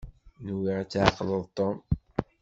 Nwiɣ ad tɛeqleḍ Tom.